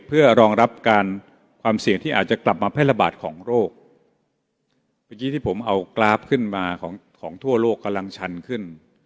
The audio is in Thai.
เพื่อรองรับการความเสี่ยงที่อาจจะกลับมาแพร่ระบาดของโรคเมื่อกี้ที่ผมเอากราฟขึ้นมาของของทั่วโลกกำลังชันขึ้น